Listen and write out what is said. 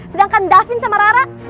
sedangkan davin sama rara